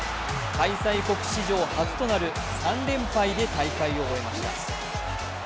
開催国史上初となる３連敗で大会を終えました。